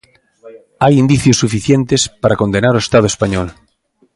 Hai indicios suficientes para condenar o Estado español.